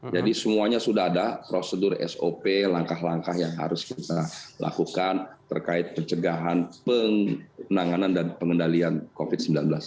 jadi semuanya sudah ada prosedur sop langkah langkah yang harus kita lakukan terkait pencegahan penanganan dan pengendalian covid sembilan belas